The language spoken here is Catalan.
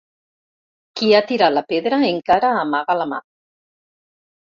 Qui ha tirat la pedra encara amaga la mà.